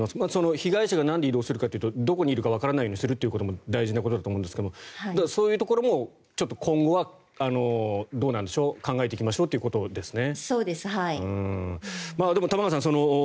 被害者がなんで移動するかというとどこにいるかわからないようにするというのも大事だと思うんですがそういうところも今後はどうなんでしょう考えていきましょうということですね。